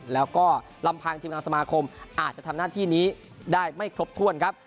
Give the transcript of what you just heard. แล้วก็ลำพังทีมงานสมาคมอาจจะทำหน้าที่นี้ได้ไม่ครบถ้วนครับ